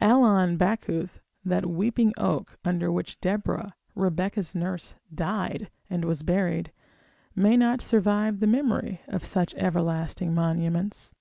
Allon Backuth, that weeping oak, under which Deborah, Rebecca's nurse, died, and was buried, may not survive the memory of such everlasting monuments.